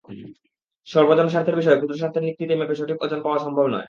সর্ব জনস্বার্থের বিষয় ক্ষুদ্রস্বার্থের নিক্তিতে মেপে সঠিক ওজন পাওয়া সম্ভব নয়।